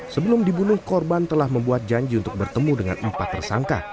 sebelum dibunuh korban telah membuat janji untuk bertemu dengan empat tersangka